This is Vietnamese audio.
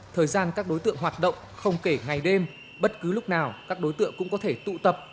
thời gian các đối tượng hoạt động không kể ngày đêm bất cứ lúc nào các đối tượng cũng có thể tụ tập